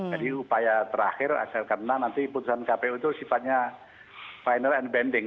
jadi upaya terakhir karena nanti putusan kpu itu sifatnya final and banding